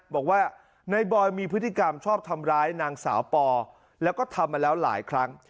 บอกว่านายบอยมีพฤติกรรมชอบทำร้ายนางสาวปอแล้วก็ทำมาแล้วหลายครั้ง